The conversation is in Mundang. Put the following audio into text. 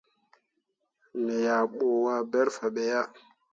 Me yah bu waaberre fah be yah.